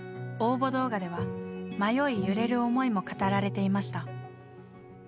応募動画では迷い揺れる思いも語られていました。